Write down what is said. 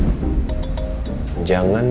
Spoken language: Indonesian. ya udah keluar